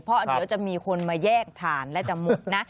เพราะเดี๋ยวจะมีคนมาแยกถ่านและจะมุกนะ